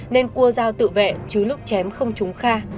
nên cua dao tự vệ chứ lúc chém không trúng kha